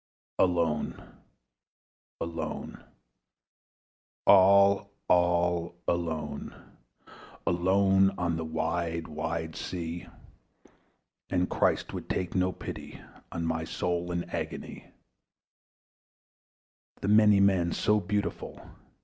Alone, alone, all, all alone, Alone on a wide wide sea! And never a saint took pity on My soul in agony. The many men, so beautiful!